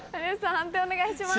判定お願いします。